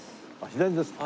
左ですか。